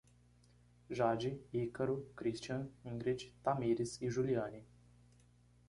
Jade, Ícaro, Christian, Ingred, Tamires e Juliane